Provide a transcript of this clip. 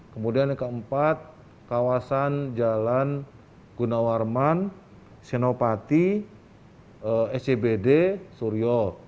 kemudian yang keempat kawasan jalan gunawarman senopati scbd suryo